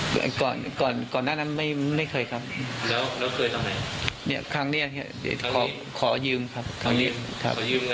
ขอยืมครับขอยืมเงินเท่าไหร่